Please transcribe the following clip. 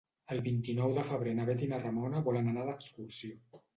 El vint-i-nou de febrer na Bet i na Ramona volen anar d'excursió.